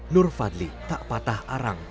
nur fadli tak patah arang